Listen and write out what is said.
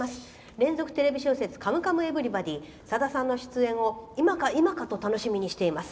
連続テレビ小説「カムカムエヴリバディ」さださんの出演を今か今かと楽しみにしています。